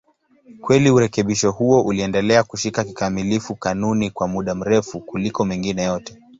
Kweli urekebisho huo uliendelea kushika kikamilifu kanuni kwa muda mrefu kuliko mengine yote.